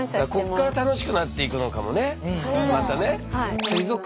こっから楽しくなっていくのかもねまたね。